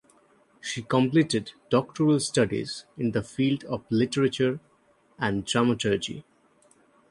She completed doctoral studies in the field of literature and dramaturgy.